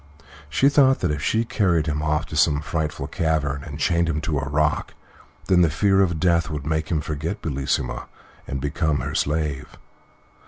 She thought that if she carried him off to some frightful cavern and chained him to a rock, then the fear of death would make him forget Bellissima and become her slave.